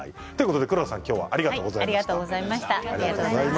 黒田さんありがとうございました。